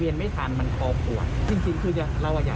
เพราะบางเกจน่าเห็นจัยจริงที่พอพอโดนเกัดตัวทั้งครอบครัว